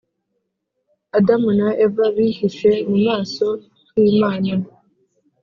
adamu na eva bihishe mu maso hi’imana